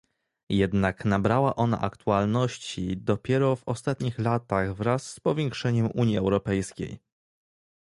Jednak nabrała ona aktualności dopiero w ostatnich latach wraz z powiększeniem Unii Europejskiej